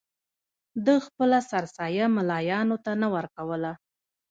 ده خپله سرسایه ملایانو ته نه ورکوله.